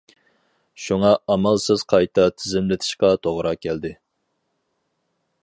شۇڭا ئامالسىز قايتا تىزىملىتىشقا توغرا كەلدى.